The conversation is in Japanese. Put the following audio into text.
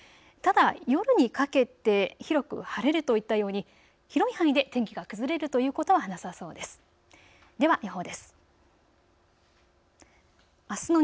ただ夜にかけて広く晴れるといったように広い範囲で天気が崩れるということはなさそうです。